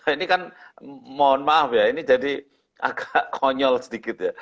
ini kan mohon maaf ya ini jadi agak konyol sedikit ya